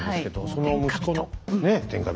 その息子のねえ天下人。